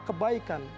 tidak ada mudar